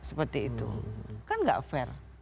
seperti itu kan gak fair